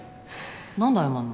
何で謝んの？